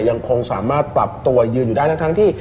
ยังคงสามารถปรับตัวยืนอยู่ได้ทั้งที่